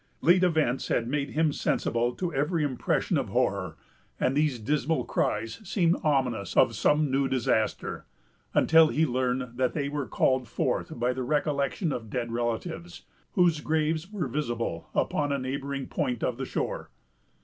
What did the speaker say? Late events had made him sensible to every impression of horror, and these dismal cries seemed ominous of some new disaster, until he learned that they were called forth by the recollection of dead relatives, whose graves were visible upon a neighboring point of the shore.